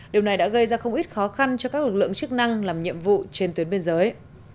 điều này đã gây ra không ít khó khăn cho các lực lượng chức năng làm nhiệm vụ trên tuyến biên giới